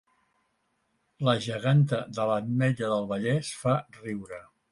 La geganta de l'Ametlla del Vallès fa riure